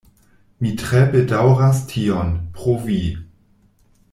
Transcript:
Mi tre bedaŭras tion, pro vi.